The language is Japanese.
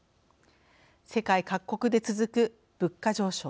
世界各国で続く物価上昇。